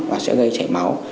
và sẽ gây chảy máu